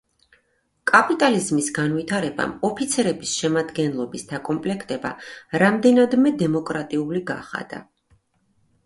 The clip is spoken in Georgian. კაპიტალიზმის განვითარებამ ოფიცრების შემადგენლობის დაკომპლექტება რამდენადმე დემოკრატიული გახადა.